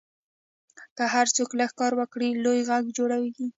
که هر څوک لږ کار وکړي، لوی غږ جوړېږي.